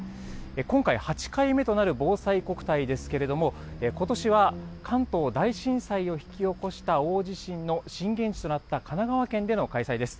今回８回目となるぼうさいこくたいですけれども、ことしは関東大震災を引き起こした大地震の震源地となった神奈川県での開催です。